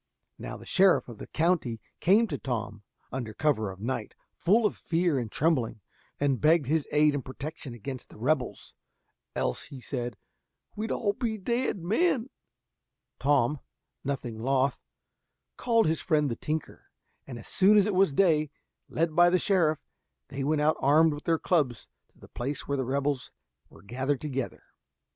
Now the sheriff of the country came to Tom, under cover of night, full of fear and trembling, and begged his aid and protection against the rebels, "else," said he, "we be all dead men!" Tom, nothing loth, called his friend the tinker, and as soon as it was day, led by the sheriff, they went out armed with their clubs to the place where the rebels were gathered together.